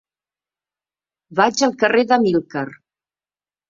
Vaig al carrer d'Amílcar.